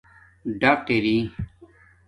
ڈاق اری